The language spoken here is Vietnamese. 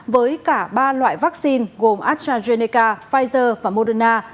với cả ba loại vaccine gồm astrazeneca pfizer và moderna